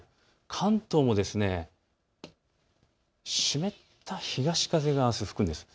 関東も湿った東風があす吹くんです。